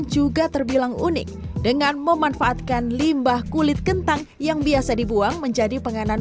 juga terbilang unik dengan memanfaatkan limbah kulit kentang yang biasa dibuang menjadi penganan